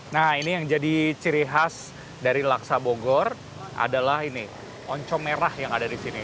nah ini yang jadi ciri khas dari laksa bogor adalah ini oncom merah yang ada di sini